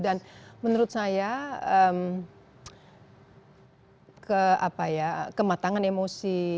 dan menurut saya ke apa ya kematangan emosi